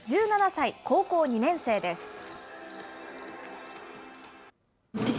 １７歳、高校２年生です。